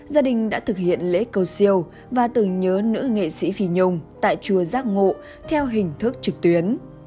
gia đình đã thực hiện lễ cầu siêu và tưởng nhớ nữ nghệ sĩ phi nhung tại chùa giác ngộ theo hình thức trực tuyến